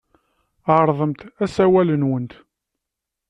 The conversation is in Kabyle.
Ɛerḍemt asawal-nwent.